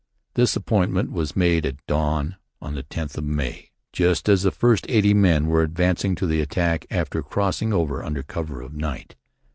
This appointment was made at dawn on the 10th of May, just as the first eighty men were advancing to the attack after crossing over under cover of night.